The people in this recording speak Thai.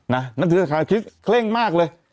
นับถือศาสนาคริสต์เคล่งมากเลย